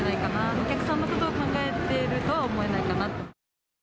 お客さんのことを考えてるとは思えないかな。